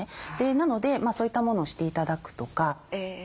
なのでそういったものをして頂くとか。